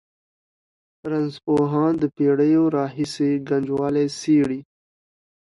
رنځپوهان د پېړیو راهېسې ګنجوالي څېړي.